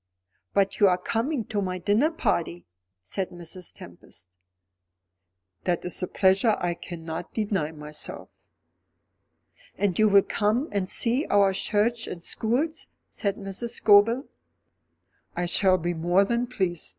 "But you are coming to my dinner party?" said Mrs. Tempest. "That is a pleasure I cannot deny myself." "And you will come and see our church and schools?" said Mrs. Scobel. "I shall be more than pleased.